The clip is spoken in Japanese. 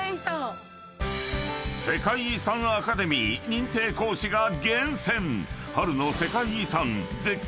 ［世界遺産アカデミー認定講師が厳選］